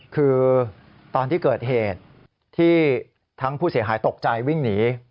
คือตอนที่เกิดเหตุที่ทั้งผู้เสียหายตกใจวิ่งหนี